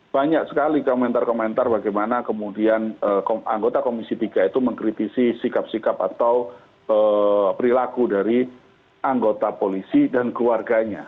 banyak sekali komentar komentar bagaimana kemudian anggota komisi tiga itu mengkritisi sikap sikap atau perilaku dari anggota polisi dan keluarganya